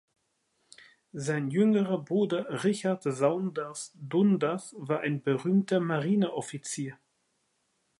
Sein jüngerer Bruder, Richard Saunders Dundas, war ein berühmter Marineoffizier.